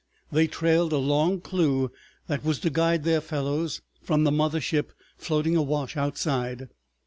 They trailed a long clue that was to guide their fellows from the mother ship floating awash outside.